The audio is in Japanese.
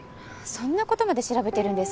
そんな事まで調べてるんですか？